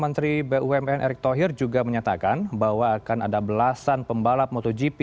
menteri bumn erick thohir juga menyatakan bahwa akan ada belasan pembalap motogp